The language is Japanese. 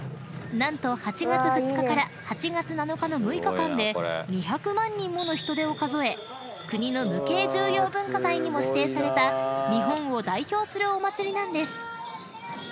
［何と８月２日から８月７日の６日間で２００万人もの人出を数え国の無形重要文化財にも指定された日本を代表するお祭りなんです］